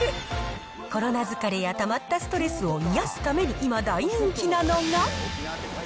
コロナ疲れやたまったストレスを癒やすために今、大人気なのが。